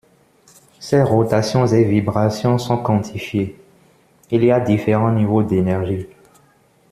Ces rotations et vibrations sont quantifiées, il y a différents niveaux d'énergie.